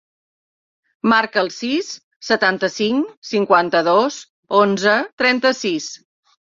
Marca el sis, setanta-cinc, cinquanta-dos, onze, trenta-sis.